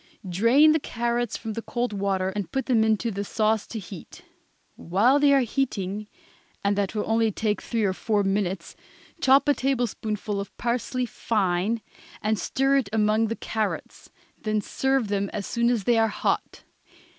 Drain the carrots from the cold water and put them into the sauce to heat. While they are heating and that will only take three or four minutes chop a tablespoonful of parsley fine, and stir it among the carrots; then serve them as soon as they are hot.